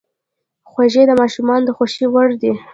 خوږې د ماشومانو د خوښې وړ دي.